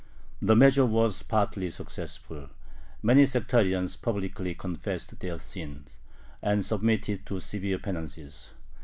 The measure was partly successful. Many sectarians publicly confessed their sins, and submitted to severe penances.